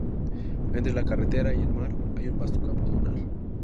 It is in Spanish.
Entre la carretera y el mar hay un vasto campo dunar.